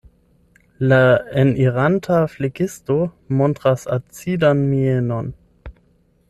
La eniranta flegisto montras acidan mienon.